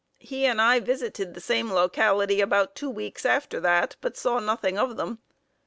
He and I visited the same locality about two weeks after that, but saw nothing of them.